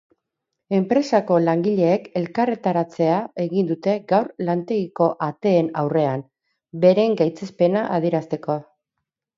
Enpresako langileek elkarretaratzea egin dute gaur lantegiko ateen aurrean, beren gaitzespena adierazteko.